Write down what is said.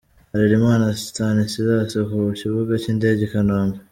Harerimana Stanislas ku kibuga cy’indege i Kanombe.